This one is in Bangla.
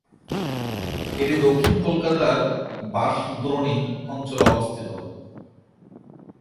এটি দক্ষিণ কলকাতার বাঁশদ্রোণী অঞ্চলে অবস্থিত।